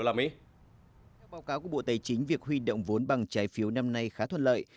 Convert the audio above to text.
báo cáo của bộ tài chính việc huy động vốn bằng trái phiếu năm nay khá thuận lợi